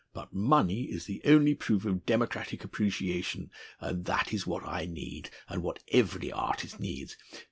But money is the only proof of democratic appreciation, and that is what I need, and what every artist needs....